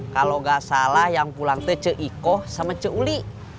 kalau gak salah yang pulang tuh ce iko sama ce uli